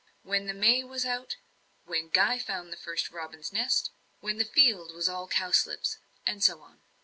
"When the may was out" "When Guy found the first robin's nest" "When the field was all cowslips" and so on.